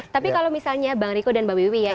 tapi kalau misalnya bang riko dan mbak wiwi ya